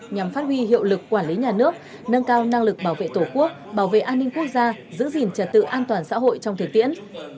nhằm phát huy hiệu lực quản lý nhà nước nâng cao năng lực bảo vệ tổ quốc bảo vệ an ninh quốc gia giữ gìn trật tự an toàn xã hội trong thực tiễn